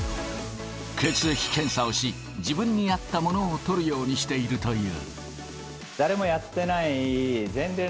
血液検査をし、自分に合ったものをとるようにしているという。